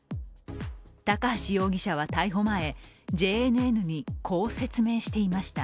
高橋容疑者は逮捕前、ＪＮＮにこう説明していました。